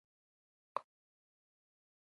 چې ته د کار په پای کې خوښ اوسې.